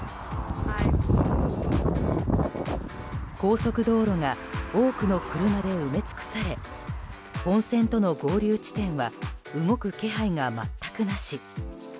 高速道路が多くの車で埋め尽くされ本線との合流地点は動く気配が全くなし。